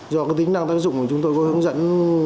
do cái tính năng tác dụng thì chúng tôi có hướng dẫn